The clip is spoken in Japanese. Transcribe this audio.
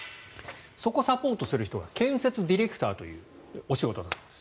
そこ、サポートする人は建設ディレクターというお仕事だそうです。